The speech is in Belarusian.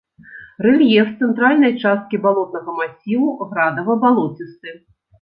Рэльеф цэнтральнай часткі балотнага масіву градава-балоцісты.